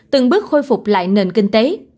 từng bước khôi phục lại nền kinh tế